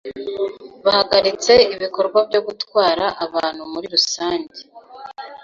bahagaritse ibikorwa byo gutwara abantu muri rusange